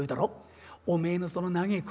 おめえのその長え